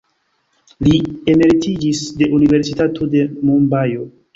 Li emeritiĝis de Universitato de Mumbajo.